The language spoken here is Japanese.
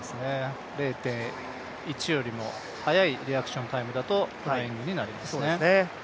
０．１よりも早いリアクションタイムだとフライングになりますね。